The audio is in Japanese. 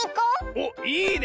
おっいいね！